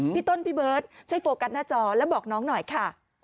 พี่ต้นพี่เบิร์ตช่วยโฟกัสหน้าจอแล้วบอกน้องหน่อยค่ะ